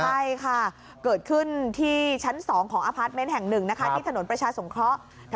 ใช่ค่ะเกิดขึ้นที่ชั้น๒ของอพาร์ทเมนต์แห่ง๑ที่ถนนประชาสงเคราะห์